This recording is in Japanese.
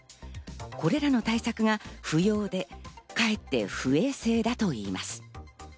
これらの対策が不要で、かえって不衛生だといいます。